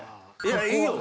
いやいいよ。